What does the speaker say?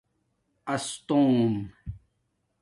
استّوم